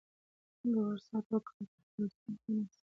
د اوږده ساعتونو کار د روغتیا ستونزې رامنځته کوي.